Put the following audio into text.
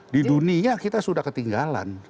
di dunia kita sudah ketinggalan